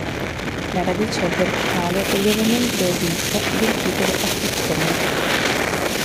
La radice è verticale o lievemente obliqua del tipo a fittone.